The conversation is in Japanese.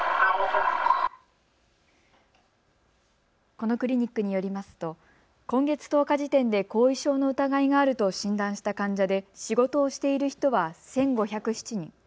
このクリニックによりますと今月１０日時点で後遺症の疑いがあると診断した患者で、仕事をしている人は１５０７人。